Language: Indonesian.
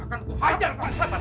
akan kuhajar pak